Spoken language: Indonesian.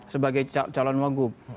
sebagai calon wanggub